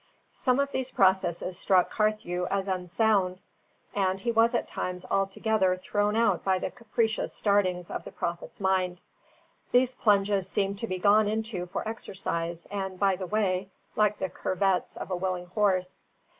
Some of these processes struck Carthew as unsound; and he was at times altogether thrown out by the capricious startings of the prophet's mind. These plunges seemed to be gone into for exercise and by the way, like the curvets of a willing horse.